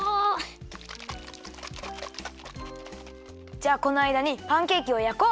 じゃあこのあいだにパンケーキをやこう。